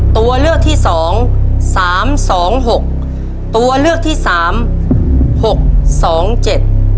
ตัวเลือกที่สองสามสองหกตัวเลือกที่สามหกสองเจ็ด